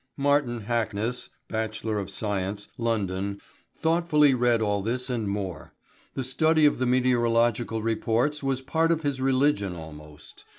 Martin Hackness, B.Sc., London, thoughtfully read all this and more. The study of the meteorological reports was part of his religion almost.